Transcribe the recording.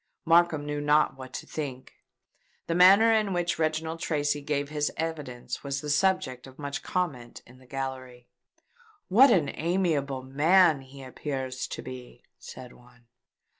Markham knew not what to think. The manner in which Reginald Tracy gave his evidence was the subject of much comment in the gallery. "What an amiable man he appears to be!" said one.